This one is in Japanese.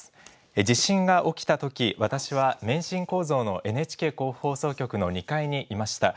地震が起きたとき、私は免震構造のＮＨＫ甲府放送局の２階にいました。